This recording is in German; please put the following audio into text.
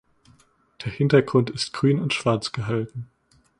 Der Hintergrund ist grün und schwarz gehalten.